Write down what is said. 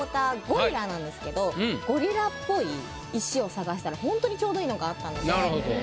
ゴリラなんですけどゴリラっぽい石を探したらほんとにちょうどいいのがあったので。